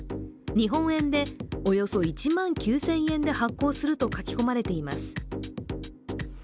日本円でおよそ１万９０００円で発行すると書き込まれています。